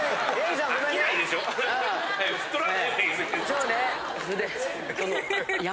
そうね。